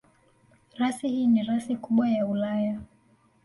Rasi hii ni rasi kubwa ya Ulaya.